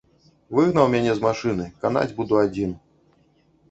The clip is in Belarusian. Выгнаў мяне з машыны, канаць буду адзін.